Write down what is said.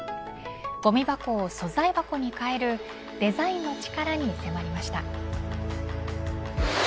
ごみ箱を、素材箱に変えるデザインの力に迫りました。